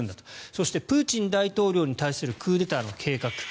そしてプーチン大統領に対するクーデターの計画。